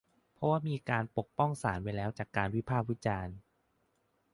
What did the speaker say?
เพราะว่ามีการปกป้องศาลไว้แล้วจากการวิพากษ์วิจารณ์